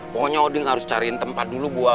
pokoknya odin harus cariin tempat dulu